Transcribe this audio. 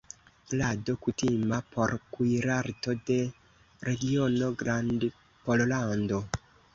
Plado kutima por kuirarto de regiono Grandpollando.